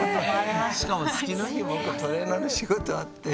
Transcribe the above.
しかも次の日僕トレーナーの仕事あって。